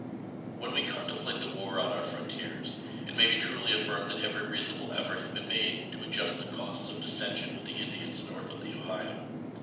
When we contemplate the war on our frontiers, it may be truly affirmed that every reasonable effort has been made to adjust the causes of dissension with the Indians north of the Ohio.